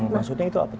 maksudnya itu apa tuh